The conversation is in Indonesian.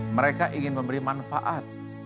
mereka ingin memberi manfaat